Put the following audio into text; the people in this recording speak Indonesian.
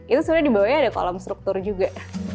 itu sebenarnya dibawahnya ada kolom struktur juga